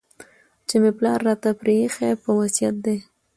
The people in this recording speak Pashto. چي مي پلار راته پرې ایښی په وصیت دی